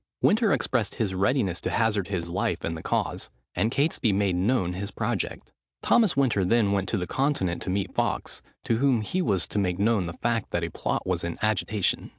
Winter expressed his readiness to hazard his life in the cause; and Catesby made known his project. Thomas Winter then went to the Continent to meet Fawkes, to whom he was to make known the fact, that a plot was in agitation.